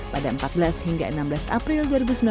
pada empat belas hingga enam belas april dua ribu sembilan belas